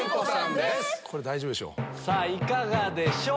さぁいかがでしょう？